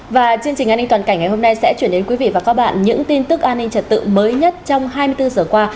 và chương trình an ninh toàn cảnh ngày hôm nay sẽ chuyển đến quý vị và các bạn những tin tức an ninh trật tự mới nhất trong hai mươi bốn giờ qua